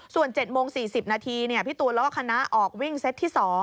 ส่วน๗โมง๔๐นาทีพี่ตูนแล้วก็คณะออกวิ่งเซตที่๒